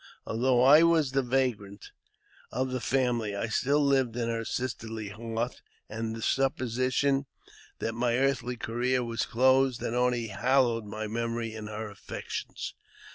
Although I was the vagrant of the family, I still lived in her sisterly heart, and the suppo sition that my earthly career was closed had only hallowed my memory in her affections.